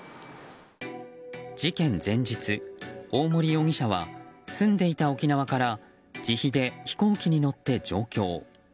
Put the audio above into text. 事件前日、大森容疑者は住んでいた沖縄から自費で飛行機に乗って上京。